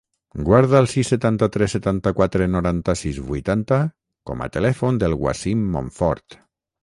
Guarda el sis, setanta-tres, setanta-quatre, noranta-sis, vuitanta com a telèfon del Wassim Monfort.